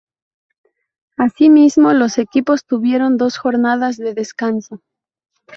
Asimismo, los equipos tuvieron dos jornadas de descanso.